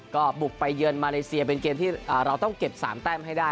ก็บุกไปเยือนมาเลเซียเป็นเกมที่เราต้องเก็บ๓แต้มให้ได้